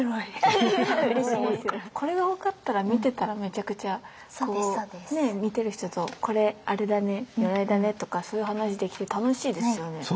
これが分かったら見てたらめちゃくちゃこうね見てる人と「これあれだね如来だね」とかそういう話できて楽しいですよね。